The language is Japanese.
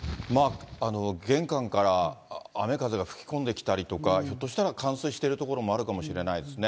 玄関から雨風が吹き込んできたりとか、ひょっとしたら冠水している所もあるかもしれないですね。